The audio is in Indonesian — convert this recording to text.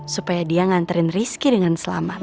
supaya dia nganterin rizki dengan selamat